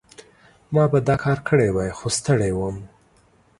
ما به دا کار کړی وای، خو ستړی وم.